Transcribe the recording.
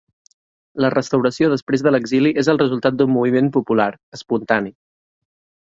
La restauració després de l'exili és el resultat d'un moviment popular, espontani.